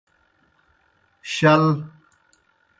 شَل۔